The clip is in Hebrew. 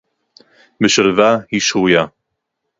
בְּשַׁלְוָה הִיא שְׁרוּיָה.